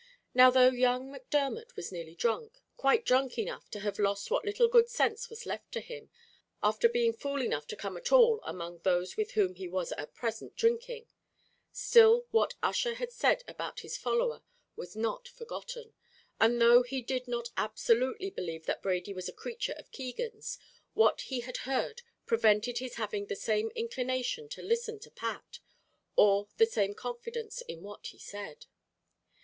Now though young Macdermot was nearly drunk quite drunk enough to have lost what little good sense was left to him, after being fool enough to come at all among those with whom he was at present drinking still what Ussher had said about his follower was not forgotten, and though he did not absolutely believe that Brady was a creature of Keegan's, what he had heard prevented his having the same inclination to listen to Pat, or the same confidence in what he said.